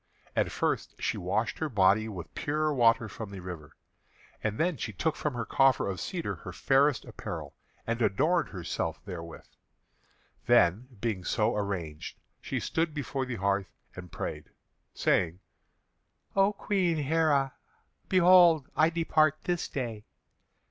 And first she washed her body with pure water from the river, and then she took from her coffer of cedar her fairest apparel, and adorned herself therewith. Then, being so arranged, she stood before the hearth and prayed, saying: "O Queen Heré, behold! I depart this day.